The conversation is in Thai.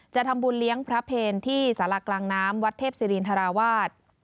จะทำบุญเลี้ยงพระเพลที่สารากลางน้ำวัดเทพศิรินทราวาส